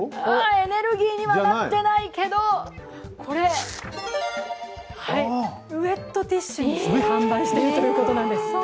エネルギーにはなってないけどウエットティッシュにして販売しているそうです。